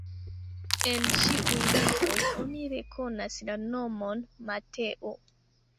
En ĉiuj lingvoj oni rekonas la nomon Mateo.